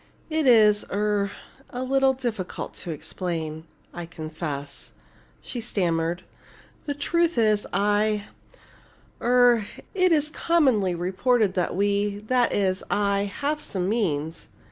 "It is er a little difficult to explain, I confess," she stammered. "The truth is I er it is commonly reported that we that is I have some means.